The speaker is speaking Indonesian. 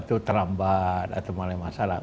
atau terambat atau masalah